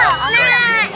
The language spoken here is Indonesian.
nah itu pilajaran metode